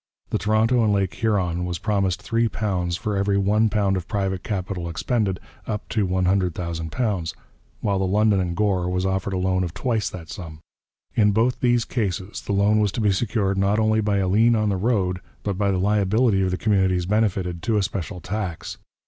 The Toronto and Lake Huron was promised £3 for every £1 of private capital expended, up to £100,000, while the London and Gore was offered a loan of twice that sum; in both these cases the loan was to be secured not only by a lien on the road, but by the liability of the communities benefited to a special tax.